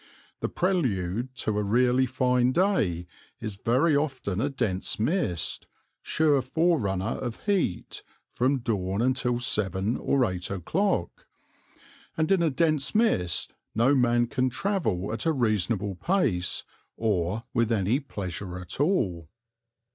The prelude to a really fine day is very often a dense mist, sure forerunner of heat, from dawn until seven or eight o'clock; and in a dense mist no man can travel at a reasonable pace or with any pleasure at all.